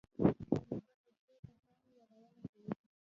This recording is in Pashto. نیکه له ښو کسانو یادونه کوي.